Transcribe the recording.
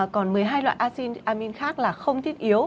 còn một mươi hai loại acid amin khác là không thiết yếu